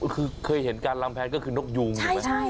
คือเคยเห็นการลำแพงก็คือนกยูงถูกไหม